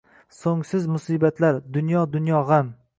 So’ngsiz musibatlar, dunyo-dunyo g’am.